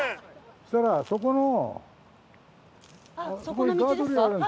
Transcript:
そしたらそこの。